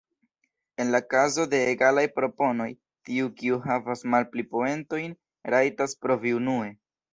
En la kazo de egalaj proponoj, tiu kiu havas malpli poentojn rajtas provi unue.